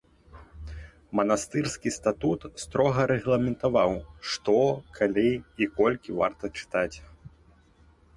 Манастырскі статут строга рэгламентаваў, што, калі і колькі варта чытаць.